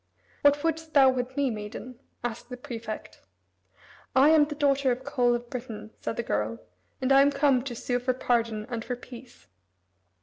"What would'st thou with me, maiden?" asked the prefect. "I am the daughter of Coel of Britain," said the girl, "and I am come to sue for pardon and for peace."